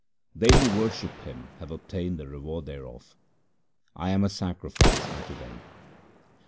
They who worship Him have obtained the reward thereof — I am a sacrifice unto them.